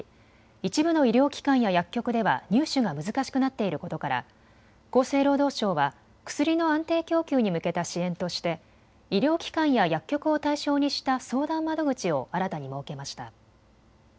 一部の医療機関や薬局では入手が難しくなっていることから厚生労働省は薬の安定供給に向けた支援として医療機関や薬局を対象にした相談窓口を新たに設けました。